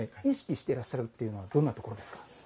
意識してらっしゃるっていうのはどんなところですか？